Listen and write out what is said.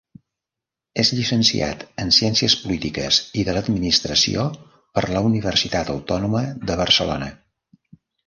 És llicenciat en Ciències Polítiques i de l’Administració per la Universitat Autònoma de Barcelona.